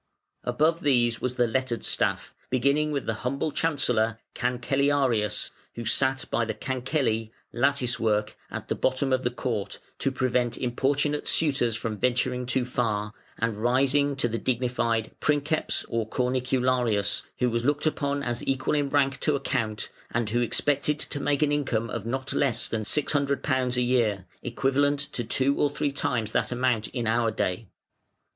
Above these was the lettered staff, beginning with the humble chancellor (Cancellarius), who sat by the cancelli (latticework), at the bottom of the Court (to prevent importunate suitors from venturing too far), and rising to the dignified Princeps or Cornicularius, who was looked upon as equal in rank to a Count, and who expected to make an income of not less than £600 a year, equivalent to two or three times that amount in our day.